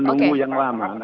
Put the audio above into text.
menunggu yang lama